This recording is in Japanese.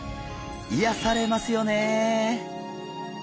いやされますよね。